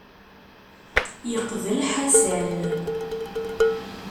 Yeqbel Ḥasan.